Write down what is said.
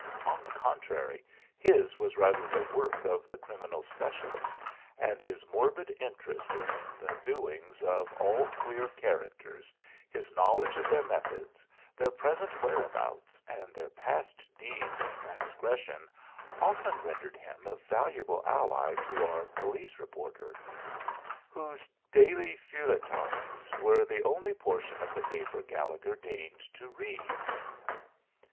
On the contrary, his was rather the work of the criminal specialist, and his morbid interest in the doings of all queer characters, his knowledge of their methods, their present whereabouts, and their past deeds of transgression often rendered him a valuable ally to our police reporter, whose daily feuilletons were the only portion of the paper Gallegher deigned to read.